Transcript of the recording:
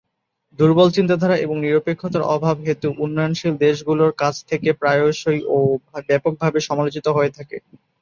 দূর্বল চিন্তাধারা এবং নিরপেক্ষতার অভাব হেতু উন্নয়নশীল দেশগুলোর কাছ থেকে প্রায়শঃই ও ব্যাপকভাবে সমালোচিত হয়ে থাকে।